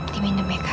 di minum mereka